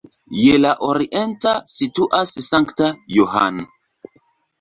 Je la orienta situas Sankta Johann.